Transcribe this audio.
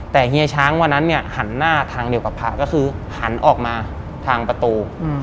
แต่เฮียช้างวันนั้นเนี่ยหันหน้าทางเดียวกับพระก็คือหันออกมาทางประตู